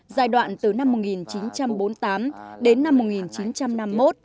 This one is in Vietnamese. giai đoạn từ năm một nghìn chín trăm bốn mươi tám đến năm một nghìn chín trăm năm mươi một